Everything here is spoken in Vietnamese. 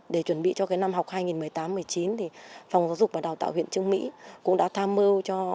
để chuẩn bị cho năm học hai nghìn một mươi tám hai nghìn một mươi chín phòng giáo dục và đào tạo huyện trường mỹ cũng đã tham mưu